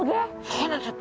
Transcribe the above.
そうなんですよ